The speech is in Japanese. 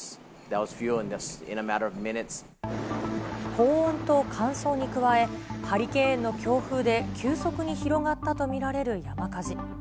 高温と乾燥に加え、ハリケーンの強風で急速に広がったと見られる山火事。